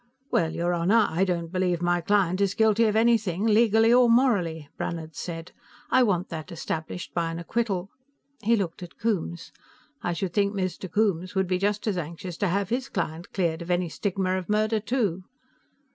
"Well, your Honor, I don't believe my client is guilty of anything, legally or morally," Brannhard said. "I want that established by an acquittal." He looked at Coombes. "I should think Mr. Coombes would be just as anxious to have his client cleared of any stigma of murder, too."